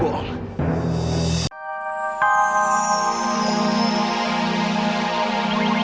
betul ada madu yang besar